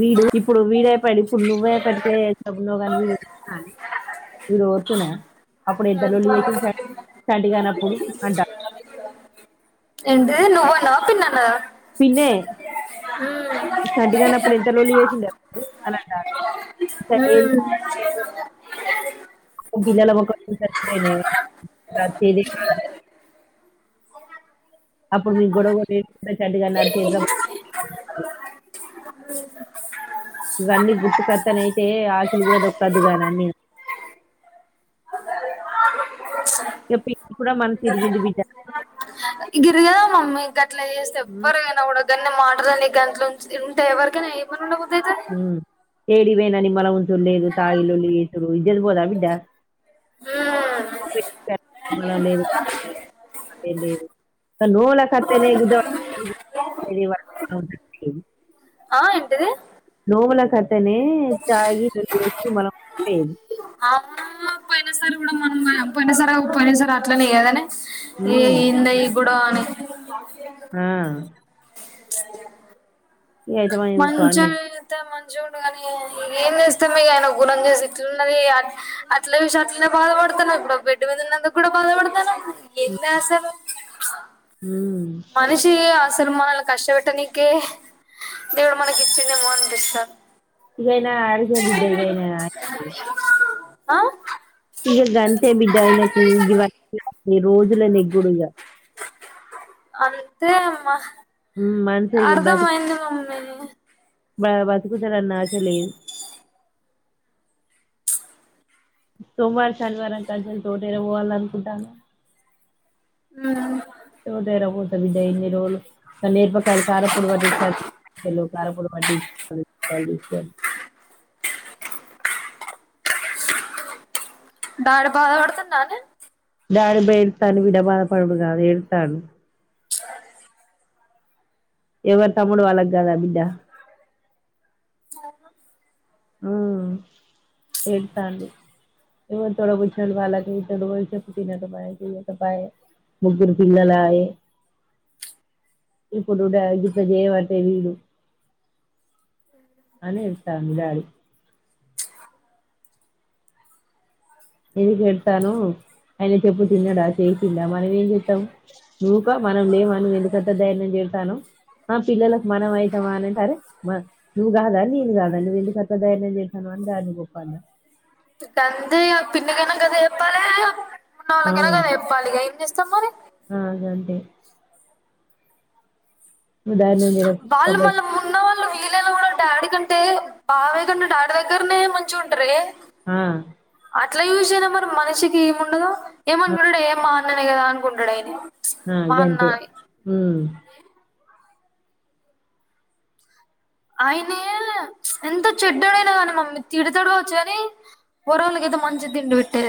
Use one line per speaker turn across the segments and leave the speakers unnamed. వీడు ఇప్పుడు వీడే ఇప్పుడు నువ్వ అయ్యేపటికే అప్పుడు నువ్ కనిపీవు ఇరు వస్తున అప్పుడు ఎంత లొల్లి చంటిగానప్పుడు అంటా
ఎంటి నువ్వు నవ్వుతున్నానా
పిన్నీ చంటిగానప్పుడు ఎంత లొల్లి చేసిండ అప్పుడు అని అంటాంది
ఉమ్
పిల్లల మొఖం చూసే [unintelligible] అప్పుడు మీ గొడవగడటుగా చంటి గాడు నా చేతిలోకి ఇవన్నీ గుర్తుకత్తనయితే ఆకులు కూడా దొక్కద్దు కానీ అన్ని ఇక ప ఇప్పుడా మనసు ఎదిగింది బిడ్డా
గిరిగద మమ్మీ గట్ల చేస్త
ఉమ్,
ఎవ్వరుగైనా కూడా గన్ని మాటలు గా గానీ గంట్లులుంచితే ఉంటే ఎవరికైనావ ఏమని అయితది
ఉమ్ ఎడికి పోయిన నిమ్మలం ఉంటుండ లేదు తాగి లొల్లి చేసుడు ఇజ్జత్ పొద బిడ్డా [inaudible] లేదు లేదు బిడ్డ [inaudible]
ఆ ఏంటిది
నోవల కోతనే తాగి లొల్లి చేసి మలం
అ పోయినా సరి కూడా మొన్న పోయిన సారి కాక పోయినసారి అట్లనే కదనే ఏ
ఉమ్
ఏందో ఈ గొడవ అని
ఆ ఇగ అయితమని ఊకో అని
మంచో
నేను
ఏతే మంచిగుండుగానీ ఏం చేస్తుందు ఇగ ఆయన గుణం చేసి ఇట్లున్నది అట్ల అట్లనే బాధపడు డతా ఇప్పుడు బెడ్ మీద ఉన్నందుకు కూడా బాధపడతాంది ఏంది అసలు
ఉమ్
మనిషి అసలు మనల్ని కష్టపెట్టనికే దేవుడు మనకి ఇచ్చిండేమో అనిపిస్తది
మ్
ఆ
ఇగ గంటే బిడ్డ ఆయనకు గివన్న రోజులే నెగ్గుడుగా
అంతే అమ్మా
ఉమ్ మనిషి ఇగ
అర్ధం అయింది మమ్మి
బతుకుతాడన్నా ఆశ లేదు సోమ్వరు శనివారం కలసి తోట కి పోవాల అనుకుంటాన
ఉమ్
తోట దగ్గర పోత బిడ్డా ఎన్ని రోజులు త నేర్పకాయలు కారపూడి బట్టి చా లో కరపూడి [unintelligible]
బడా పగాగాలాగోడుతున్నను
డాడీ బేధ బాధ పడుడు కాదు బిడ్డా [unintelligible] ఎవరు తమ్ముడు వాళ్ళకీ కాదా బిడ్డా ఆ ఏడతాడు ఎవడు తోడు కూర్చొని వాళ్ల తడు చొప్పితే వినడు వినకపోయాయి ముగ్గురు పిల్లలు ఆయె ఇప్పుడు [unintelligible] చేయమంటే వీడు అనే ఎస్తా మీ డాడీ [unintelligible] చెప్పను ఆయన చెప్పు తిన్నాడా చేసిడా మనం ఏం చేస్తాం నువ్వుక మనం లేవా నువ్వు ఎందుకంటా ధైర్యం చేయ తిట్టాను ఆ పిల్లలకు మనం అవుతామా అనింట అరే నువ్వు కాదా నేను కాదా నువ్వు ఎందుకు అత్త ధైర్యం చేసాను [unintelligible]
ఇప్పు అంతే పింకైనా కద చెప్పాలి ఉన్నవాళ్ళకైనా కదా చెప్పాలి ఇక ఏం చేస్తాం మరి
హా గంతే ఉదానాన్
వాళ్ళ మళ్ళ ఉన్న వాళ్ళు పిల్లలు కూడా డాడీ కంటే బాబాయ్ కంటే డాడీ దగ్గరనే మంచి ఉంటారే
హ
అట్లా చయూస అయినా మరి మనిషికి ఏమి ఉండదు ఏమనుకుంటాడు ఏ మా అన్ననే కదా అనుకుంటాడు ఆయన
ఆ గంతె హ
ఆయనే ఎంత చెడ్డడైనా కానీ మమ్మీ తిడతడు కావచ్చు కాని కొడుకులకి ఐతే మంచి తిండి పెట్టె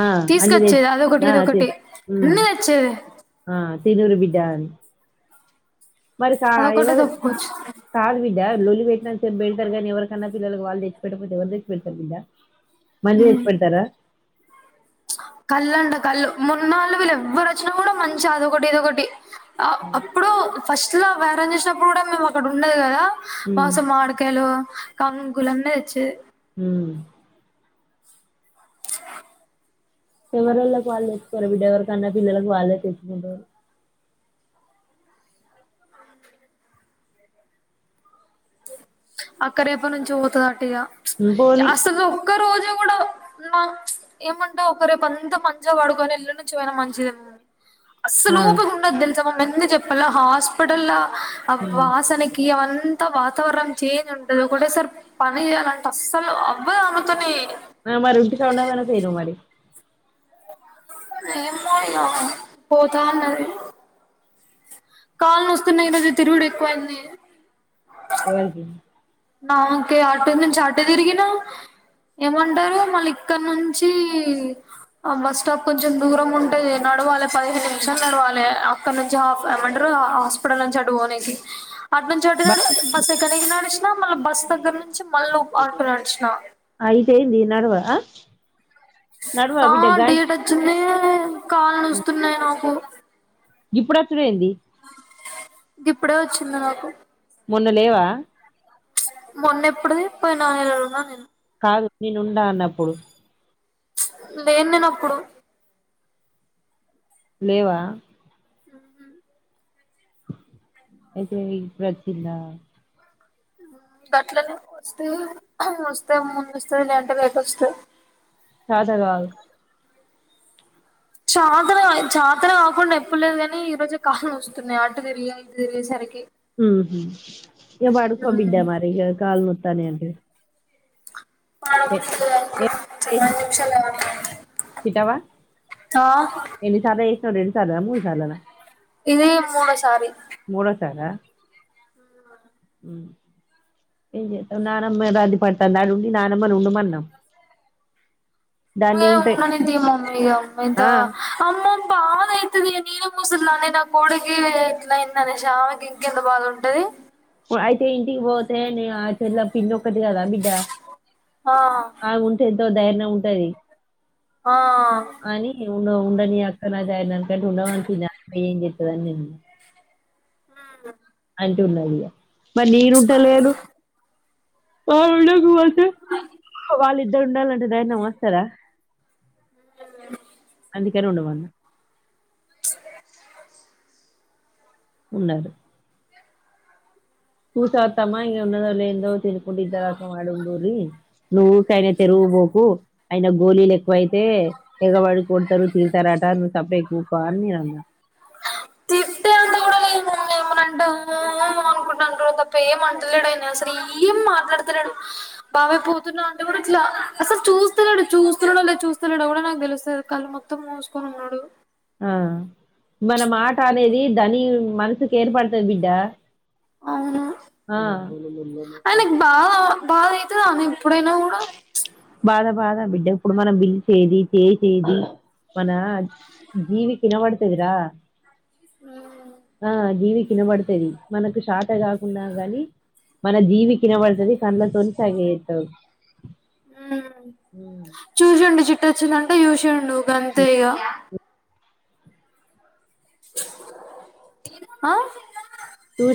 ఆ అన్ని తెచ్
తీసుకొచ్చేది అదొకటి
ఆ తె
ఇదొకటి
ఉమ్
అన్నీ తెచ్చేది
ఆ తిరుర్ బిడ్డ అని మరి కా
అదొకటే
ఎవరు
చెప్పుకోవచ్చు
కాదు బిడ్డ లొల్లి పెట్ చెప్పిళ్తారు కానీవకైన్నా పిల్లకి వాళ్ళ తెచ్చి పెట్టకపోతే ఎవరు తెచ్చి పెళ్తారు బిడ మళ్ళీ చేచ్చి పెడతారా
కళ్ళుంట కళ్ళు మన్నాళ్ళు వీళ్ళు ఎవ్వరు వచ్చినా కూడా మంచి అదొకటి ఏదొకటి అప్పుడు ఫస్ట్ లా వేరం చేసినప్పుడు కూడా మేము అక్కడ ఉండదు కదా
ఉమ్
మాసం మాడుకయలు కంకులు అన్ని తెచ్చేది
హ ఎవరొళ్ళకి వాళ్ళు తెచ్చుకోరు బిడ్డ ఎవరి కన్నా పిల్లలకుకి వాళ్ళు తెచ్చుకుారు
అక్క రేపు నుంచి పోతుంది అటు ఇగా
ఉమ్ పోనీ
అసలు ఒక్క రోజు కూడా ఉ ఏమంటే ఒక రేపు అంత మంచిగా పాడుకొని ఇల్లు నుంచి పోయినా మంచిదేమ్ని అసల్
ఆ
ఓపిక ఉండదు తెలుసా మ ఎందు చెప్పాల హాస్పిటల్ లా ఆ
ఉమ్
వాసనకి అంత వాతవరణం చేంజ్ ఉంటదు ఒకేసారి పని చేయాలంటే అస్సలు అవ్వదు అమ్ముతునే
మారి ఇంటికాడ లెదు మరి
ఏమో ఇగ పోతన్నది కళ్ళు నస్తున్నాయి నాకి తిరుగుడు ఎక్కువ అంది
ఎవరికీ
నాకే ఆటో నుంచి ఆటో తిరిగిన ఏమంటారు మళ్ళ ఇక్కడ నుంచి ఆ బస్ స్టాప్ కొంచం దూర ఉంటేది నడవాలి పదిహేను నిమిషాలు నడవాలి అక్కడ నుంచి హాఫ్ అమంటారు హాస్పిటల్ నుంచి అడుని అటునుంచు అంటుగానే
బట్
బస్సు ఎక్కనికి నడిసిన మళ్ళీ బస్సు దగ్గర నుంచి మళ్ళు [unintelligible] నడిచిన
అయితే ఏంది నడవ ఆ నడవ
ఆ
బిడ్డ గా
డేట్ వచ్చింది కాలు నుూస్తున్నాయి నాకు
ఇప్పుడు వచ్చుడేంది
ఇప్పుడే వచ్చింది నాకు
మొన్న లేవా
మొన్న ఎప్పుడుది పోయిన ఉన్నా నేను
కాదు నేను ఉండా అన్నప్పుడు
లేను నేను అప్పుడు
లేవా
ఉహు
అయితే ఇప్పుడు వచ్చిందా
గట్లనే వస్తా వస్తే ముందు వస్తది లేదంటే లేట్ వస్తది
చాతగాదు
చాతన చాతన కాకుండా ఎప్పుడు లేదు కాని ఈ రోజే కాలు నొస్తున్నాయి అటు తిరిగి ఇటు తిరిగే సరికి
ఉహు ఇగా పడుకో బిడ్డ మరి కాలు నోత్తనాయంటివి ఏ తిట్టవా
[unintelligible] ఆ
ఎన్నిసార్లు రెండు సాల మూడు సాలనా
ఇది మూడో సారి
మూడో సారా ఉ ఏ చేత ననమ్మది పడుతా నాడు ఉండి ననమ్మని ఉండుమన్నం
ఏమున్నది మమ్మీ ఇగ ఎంతా
ఆ
అమ్మో బాదై ది నేను ముసల్దానే నా కోడికి ఇట్లాయిందనేసి ఆమెకి ఇంకెంత బాధ ఉంటది
వ అయితే ఇంటికి బో నేనే గా ఆ చెల్ల పిన్నొక్కటి కదా బిడ్డ
ఆ
ఆముంటే ఎంతో ధైర్నం ఉంటది
ఆ
ఉ ఉండని అక్కని [unintelligible]
ఆ
బయట ఉన్నది ఇగ మరి నేనుంటలేరు ఆవిడా
అ
వాళ్ళిద్దరు ఉండాలంటే ధైర్నాం వస్తదా ఇద్దరు ఉండమన్నా ఉన్నాడు ఊస అతమ్మా ఇం ఉన్నదో లేందో తినుకుంటా ఇద్దరు ఒకేసాటా ఉండురి నువ్వుకయనట్టే రుగుపోకు ఆయన గోలీలు ఎక్కువైతే ఎగబడు కొడతారు తింటారట ను సెపరేట్ ఊక అని నేనన్న
తిట్టే అంత కూడా లేము లేమనంటే అమ్మో అనుకుంటాండు తప్ప ఏం అంటలేడు అయనసలు ఏం మాట్లాడతలేడు బాబాయ్ పోతున్నా అంటే కూడా ఇట్లా అట్లా అసలు చూస్తలేడు చూస్తున్నాడులేదు చూస్తలేదో కూడా నాకు తెలుస్తలేదు కళ్ళు మొత్తం మూసుకొని ఉన్నాడు
ఆ మన మాట అనేది ధని మనసుకి ఏర్పడుతాది బిడ్డ
అవును
ఆ
తా ఇప్పుడైనా కూడా
బాధ బాధ బిడ్డ ఇప్పుడు మనం పిల్చేేది చేసేది మన జీవి వినవడ్తాదిరా ఆ ఇవి వినబడుతది మనకు శాత కాకున్నా గాని మన జీవికి వినవడ్తది కళ్లతోని సైగ చేస్తారు
ఉ చూసుండు జుట్టు వచ్చిందంటే చూసిండు గంతే ఇగ ఆ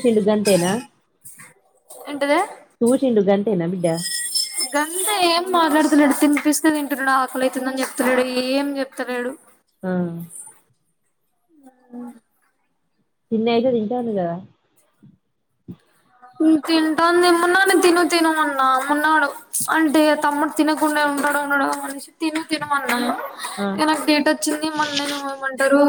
చెండు గంతేన
ఏంటిదే
చూసిండు గంతేనా బిడ్డ
గంతే ఏం మాట్లాడతలేడు తినిపిస్తే తింటుండు ఆకలైతుందని చెప్తలేడు ఏం చెప్తలేడు
హా
ఆ [unintelligible]
తిండైతే తింటండ్ గద
హ్మ్ తింటాను దేమ్మాన నేను తిను తిను అన్న మున్నాడు అంటే తమ్ముడ్ తినకుండా ఉం ఉన్నాడో ఉన్నాడో అనేషి తిను తిను అన్న
ఆ
ఇగ నాక్ డేట్ వచ్చింది మళ్ళ నేను ఏమంటారు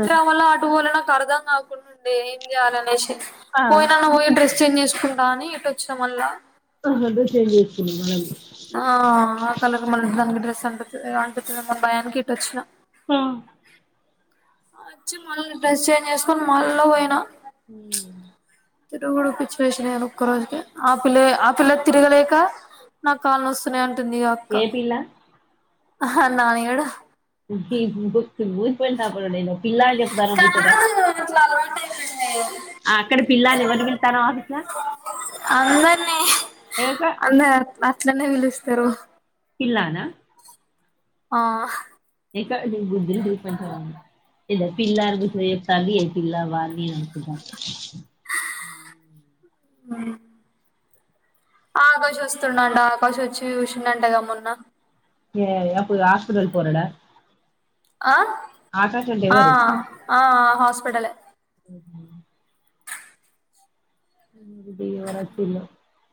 ఆ
రావాల ఆటు పోవలన్ నాక్ అర్ధం కాకుండుండే ఏం చేయాలనేసి
ఆ,
పోయి నువ్ పోయి డ్రెస్ చేంజ్ చేసుకుంటా అని ఇటొచ్చిన మల్ల
అహద్ చేంజ్ జేష్ [unintelligible]
ఆ ఆ ఆ కలర్ మళ్ళ దానికి డ్రెస్ అంటుతది అంటుతది మోన్ భయానికి ఇటుొచ్చిన
ఆ
అచ్చి మళ్ళీ డ్రెస్ చేంజ్ చేసుకొని మళ్ళ పోయిన
హ్మ్మ్
తిరుగుడు పిచ్చి లేశినాయి ఒక్క రోజుకే ఆ పిల్ల ఆ పిల్ల తిరగలేక నా కాళ్ళు నోస్తున్నాయ్ అంటుంది ఈ అక్క
ఏ పిల్ల
ఆహా నానీ గాడు
ముట్టి బూసు పోయిన టాపులు ఉండే పిలలకి జెపుతున్నావ్ ముచ్చట్ట [unintelligible] ఆ అక్కడ పిల్లా అని ఎవరి పిలుతాన్నవ్ ఆఫీస్ ల
అందర్నీ
హే ఊకొ
అట్లనే పిలుస్తారు
పిల్లా నా
ఆ హ్
ఇకో నీక్ బుద్ధి లేదు కొంచమన్న ఇద పిల్ల గుర్చ్ చెప్ తాంది ఎ పిల్ల వాల్ వీల్ అనుకుంట [unintelligible]
అ ఆకాష్ వస్తుండంట ఆకాష్ వచ్చి చూసిండంటగా మొన్న
ఏ అప్పుడు హాస్పిటల్ పోరడా
ఆ
ఆకాష్ అంటే
ఆ
ఎవరు
ఆ హాస్పటలే
[inaudible] ఫీవ రచ్ టిల్లో [unintelligible]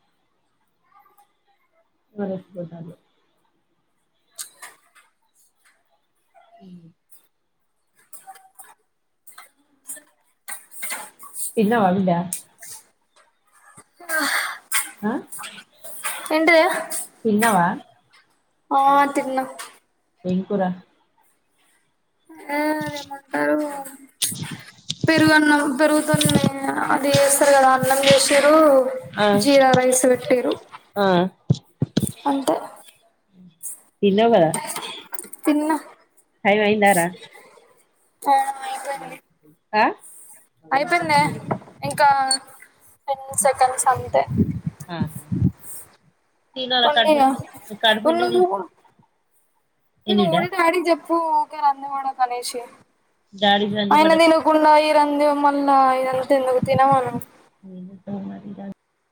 వర స్పోతాలు [unintelligible] ఊమ్ తిన్నవా బిడ్డ
ఆహ్
ఆ
ఏంటిదే
తిన్నవా
ఆ తిన్నా
ఎం కూర
ఆ అదేమంటారు పెరుగన్నం అన్నం పెరుగుతో న్ అది చేస్తారు కదా అన్నం చేసి తు
ఆ
జీరా రైస్ పెట్టిరు
ఆ
అంతే
తిన్నవ్ కదా
తిన్న
టైం అయిందా రా ఆ
అయిపెందే ఇంకా టెను సెకండ్స్ అంతే
ఆహా తినాల కడుపు
[inaudible]
కడుపు నిండా తిన్ ఏంది
నువ్వు
బిడ్డ
కూడా డాడి కి చెప్పు ఊకె రంధి పడకనేషి
డాడీ గంజి
అయన తినకుండా ఇబ్బందిగా మళ్ళా ఇదంత ఎందుకు తిన మను
పట్ట